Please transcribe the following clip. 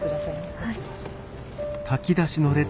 はい。